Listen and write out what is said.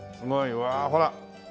うわあほら。